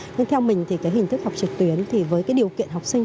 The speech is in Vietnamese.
nhưng theo mình thì cái hình thức học trực tuyến thì với cái điều kiện học sinh